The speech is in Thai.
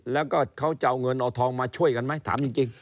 แล้วก็เขาจะเอาเงินเอาทองมาช่วยกันไหมถามจริง